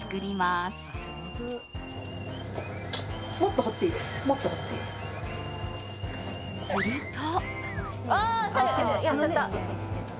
すると。